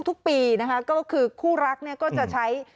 ทุกปีนะคะก็คือคู่รักเนี่ยก็จะใช้